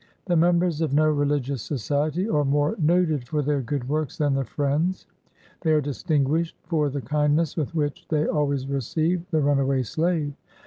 The members of no religious society are more noted for their good works than the Friends. They are distinguished for the kindness with which they always receive the runaway slave.